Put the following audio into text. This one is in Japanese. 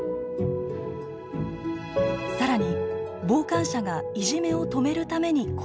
更に傍観者がいじめを止めるために行動すると。